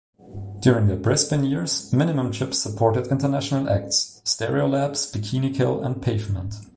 During their Brisbane years Minimum Chips supported international acts: Stereolab, Bikini Kill and Pavement.